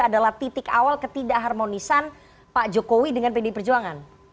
adalah titik awal ketidak harmonisan pak jokowi dengan pdi perjuangan